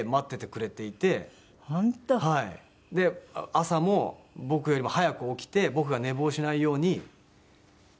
朝も僕よりも早く起きて僕が寝坊しないようにしてくれていたので。